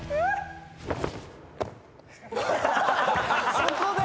そこで？